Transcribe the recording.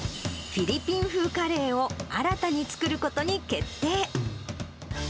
フィリピン風カレーを新たに作ることに決定。